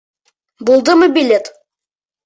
Булдымы билет?